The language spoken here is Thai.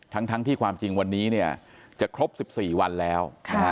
ทั้งที่ความจริงวันนี้จะครบ๑๔วันแล้ว